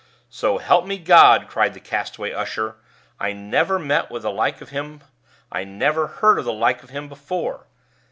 "So help me God!" cried the castaway usher, "I never met with the like of him: I never heard of the like of him before!"